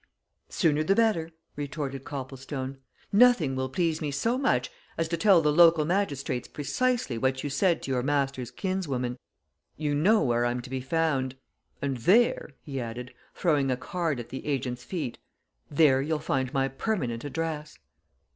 "Sooner the better," retorted Copplestone. "Nothing will please me so much as to tell the local magistrates precisely what you said to your master's kinswoman. You know where I'm to be found and there," he added, throwing a card at the agent's feet, "there you'll find my permanent address."